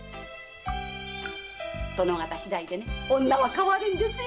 殿方しだいで女は変わるんですよ！